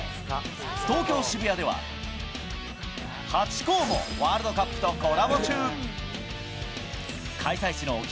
東京・渋谷では、ハチ公もワールドカップとコラボ中。